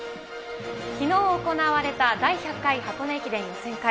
きのう行われた第１００回箱根駅伝予選会。